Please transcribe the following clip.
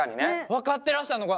分かってらしたのが。